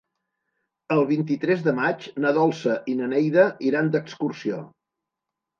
El vint-i-tres de maig na Dolça i na Neida iran d'excursió.